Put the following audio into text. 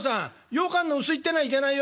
ようかんの薄いってのはいけないよ。